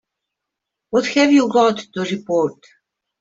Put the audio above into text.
What have you got to report?